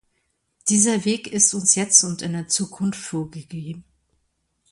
Dieser Weg ist uns jetzt und in der Zukunft vorgegeben.